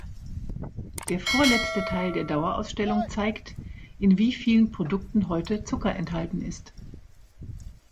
Der vorletzte Teil der Dauerausstellung zeigt, in wie vielen Produkten heute Zucker enthalten ist.